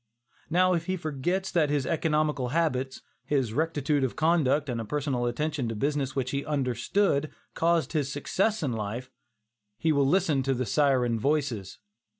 Now if he forgets that his economical habits, his rectitude of conduct and a personal attention to a business which he understood, caused his success in life, he will listen to the syren voices.